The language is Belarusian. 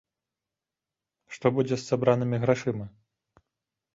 Што будзе з сабранымі грашыма?